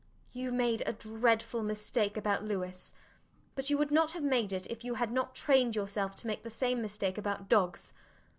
You made a dreadful mistake about Louis; but you would not have made it if you had not trained yourself to make the same mistake about dogs.